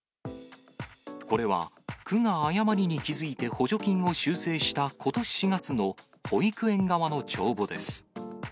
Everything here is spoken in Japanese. これは区が誤りに気付いて、補助金を修正したことし４月の保育園側の帳簿です。